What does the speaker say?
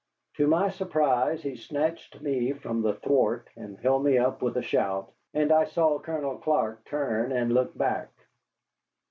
To my surprise he snatched me from the thwart and held me up with a shout, and I saw Colonel Clark turn and look back.